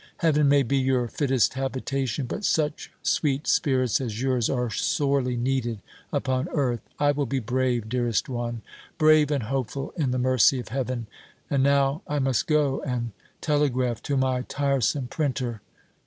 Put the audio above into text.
Heaven may be your fittest habitation; but such sweet spirits as yours are sorely needed upon earth. I will be brave, dearest one; brave and hopeful in the mercy of Heaven. And now I must go and telegraph to my tiresome printer.